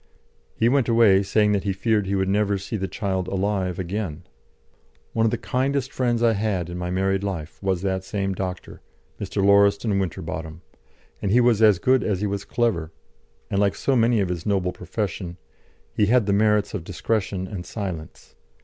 He went away, saying that he feared he would never see the child alive again. One of the kindest friends I had in my married life was that same doctor, Mr. Lauriston Winterbotham; he was as good as he was clever, and, like so many of his noble profession, he had the merits of discretion and silence.